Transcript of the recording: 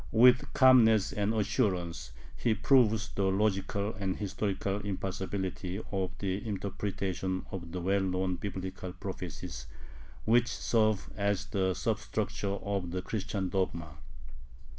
With calmness and assurance he proves the logical and historical impossibility of the interpretations of the well known Biblical prophecies which serve as the substructure of the Christian dogma.